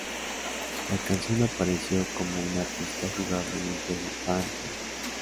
La canción apareció como una pista jugable en el juego Band Hero.